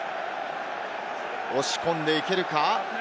押し込んでいけるか。